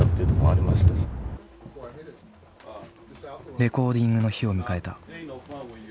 レコーディングの日を迎えた。